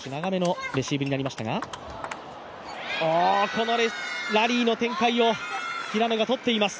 このラリーの展開を、平野が取っています。